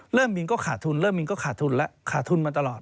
มินก็ขาดทุนเริ่มบินก็ขาดทุนแล้วขาดทุนมาตลอด